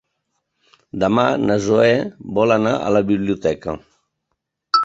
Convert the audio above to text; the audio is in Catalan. Demà na Zoè vol anar a la biblioteca.